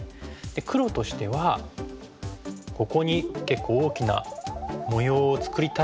黒としてはここに結構大きな模様を作りたい状態ですよね。